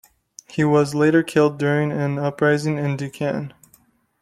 He was later killed during an uprising in Deccan.